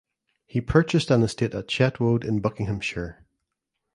He purchased an estate at Chetwode in Buckinghamshire.